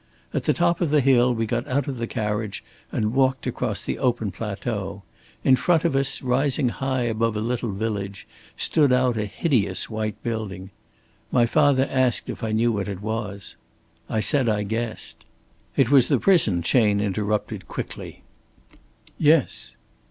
At the top of the hill we got out of the carriage and walked across the open plateau. In front of us, rising high above a little village, stood out a hideous white building. My father asked if I knew what it was. I said I guessed." "It was the prison," Chayne interrupted, quickly. "Yes."